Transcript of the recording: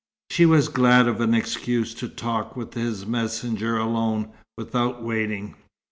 She was glad of an excuse to talk with his messenger alone, without waiting.